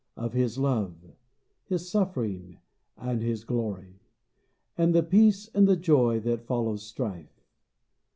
Of His love. His suffering, and His glory, And the peace and the joy that follows strife.